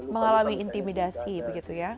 mengalami intimidasi begitu ya